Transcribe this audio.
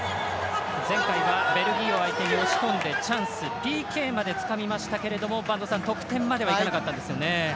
前回はベルギーを相手に押し込んでチャンス、ＰＫまでつかみましたけれど播戸さん、得点まではいかなかったんですよね。